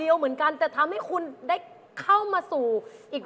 ถูกถังกระมังมอก